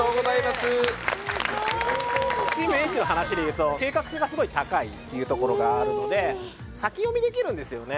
すごいチームＨの話で言うと計画性がすごい高いっていうところがあるので先読みできるんですよね